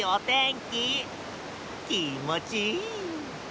きもちいい。